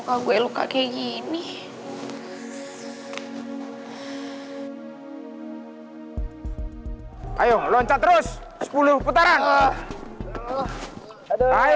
kok dia gak masuk sih